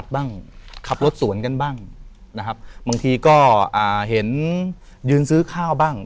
บางทีก็เห็นยืนซื้อข้าวบ้าง